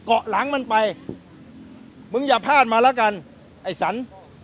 เกาะหลังมันไปมึงอย่าพลาดมาแล้วกันไอ้สัน